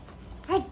はい！